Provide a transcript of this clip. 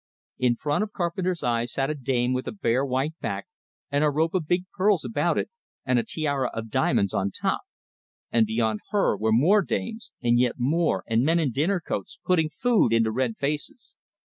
In front of Carpenter's eyes sat a dame with a bare white back, and a rope of big pearls about it, and a tiara of diamonds on top; and beyond her were more dames, and yet more, and men in dinner coats, putting food into red faces.